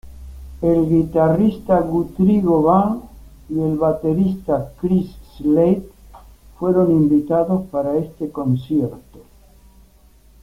El guitarrista Guthrie Govan y el baterista Chris Slade fueron invitados para este concierto.